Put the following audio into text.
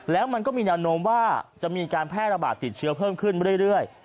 แล้วมันก็มีแนวโน้มว่าจะมีการแพร่ระบาดติดเชื้อเพิ่มขึ้นเรื่อย